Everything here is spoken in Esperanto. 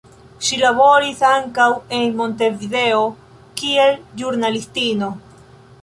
Ŝi laboris ankaŭ en Montevideo kiel ĵurnalistino.